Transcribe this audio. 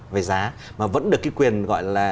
về giá mà vẫn được cái quyền gọi là